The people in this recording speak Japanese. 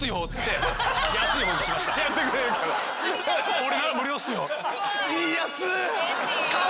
「オレなら無料っすよ」。